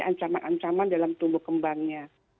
ancaman ancaman dalam tumbuh kembangnya